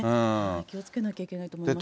気をつけなきゃいけないと思いました。